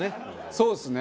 そうですね。